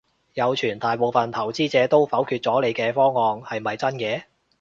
有傳大部份投資者都否決咗你嘅方案，係咪真嘅？